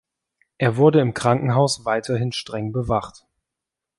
Er wurde im Krankenhaus weiterhin streng bewacht.